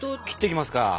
切っていきますか！